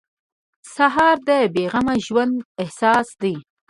سهار د بې غمه ژوند احساس دی.